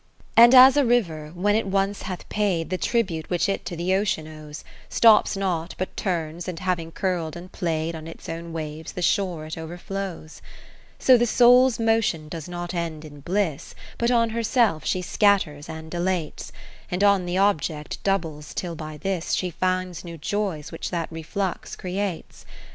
40 XI And as a river, when it once hath paid The tribute which it to the ocean owes, Stops not, but turns, and having curl'd and play'd On its own waves, the shore it overflows. XII So the soul's motion does not end in bliss. But on herself she scatters and dilates. And on the object doubles till by this She finds new joys which that reflux creates.